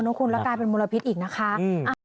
คุณแล้วกลายเป็นมลพิษอีกนะคะ